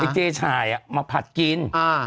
เจ๊ชายมาผัดกิน